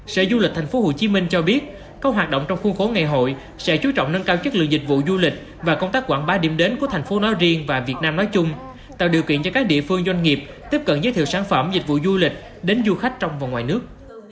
sở du lịch tp hcm cho biết các hoạt động trong khu phố ngày hội sẽ chú trọng nâng cao chất lượng dịch vụ du lịch và công tác quảng bá điểm đến của thành phố nói riêng và việt nam nói chung tạo điều kiện cho các địa phương doanh nghiệp tiếp cận giới thiệu sản phẩm dịch vụ du lịch đến du khách trong và ngoài nước